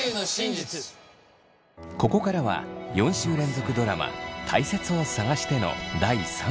ここからは４週連続ドラマ「たいせつを探して」の第３話。